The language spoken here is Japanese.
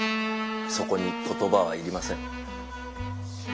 そこに言葉は要りません。